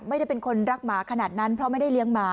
ไม่ได้เป็นคนรักหมาขนาดนั้นเพราะไม่ได้เลี้ยงหมา